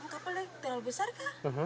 kapal naik terlalu besar kak